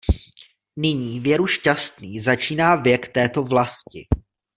Nyní věru šťastný začíná věk této vlasti.